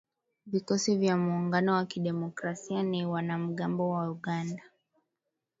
Vikosi vya Muungano wa Kidemokrasia ni wanamgambo wa Uganda.